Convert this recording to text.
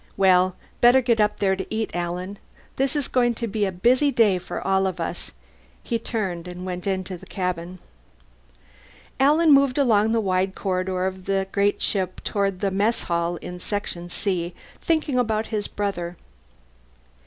"Well, better get up there to eat, Alan. This is going to be a busy day for all of us." He turned and went into the cabin. Alan moved along the wide corridor of the great ship toward the mess hall in Section C, thinking about his brother.